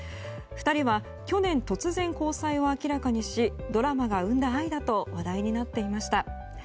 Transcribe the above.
２人は去年、突然交際を明らかにしドラマが生んだ愛だと話題になっていました。